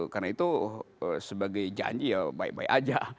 karena itu sebagai janji ya baik baik saja